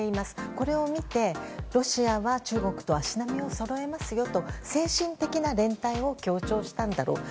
これを見て、ロシアは中国と足並みをそろえますよと精神的な連帯を強調したんだろうと。